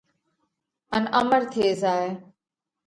ان امر ٿي زائه۔